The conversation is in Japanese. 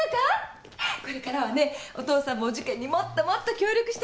これからはねお父さんもお受験にもっともっと協力してくれるって。